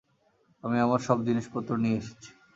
আমি আমার সব জিনিসপত্র নিয়ে এসেছি।